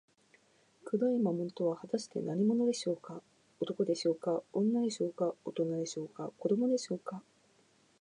黒い魔物とは、はたして何者でしょうか。男でしょうか、女でしょうか、おとなでしょうか、子どもでしょうか。